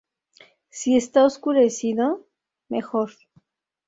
Si está oscurecido: mejor.